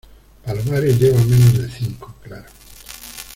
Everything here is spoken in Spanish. palomares lleva menos de cinco. claro .